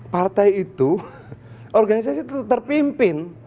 partai itu organisasi terpimpin